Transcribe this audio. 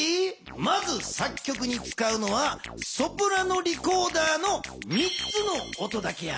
まず作曲に使うのはソプラノリコーダーの３つの音だけや。